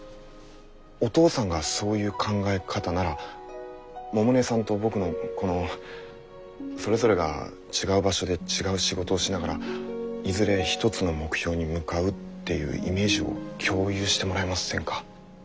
お父さんがそういう考え方なら百音さんと僕のこのそれぞれが違う場所で違う仕事をしながらいずれ一つの目標に向かうっていうイメージを共有してもらえませんか？